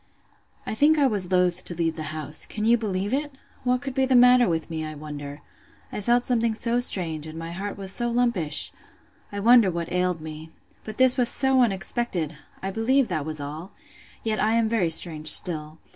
I think I was loath to leave the house. Can you believe it?—What could be the matter with me, I wonder?—I felt something so strange, and my heart was so lumpish!—I wonder what ailed me!—But this was so unexpected!—I believe that was all!—Yet I am very strange still.